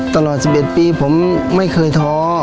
ตลอด๑๑ปีผมไม่เคยท้อ